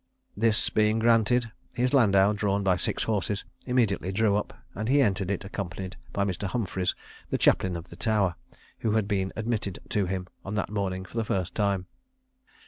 This being granted, his landau, drawn by six horses, immediately drew up, and he entered it, accompanied by Mr. Humphries, the chaplain of the Tower, who had been admitted to him on that morning for the first time.